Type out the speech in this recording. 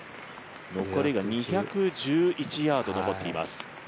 ２１１ヤード残っています。